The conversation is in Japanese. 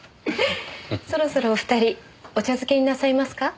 そろそろお二人お茶漬けになさいますか？